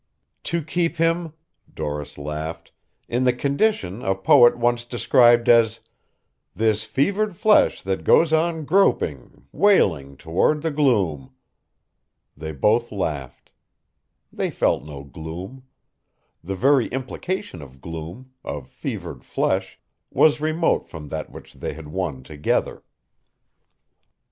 "To keep him," Doris laughed, "in the condition a poet once described as: 'This fevered flesh that goes on groping, wailing Toward the gloom.'" They both laughed. They felt no gloom. The very implication of gloom, of fevered flesh, was remote from that which they had won together.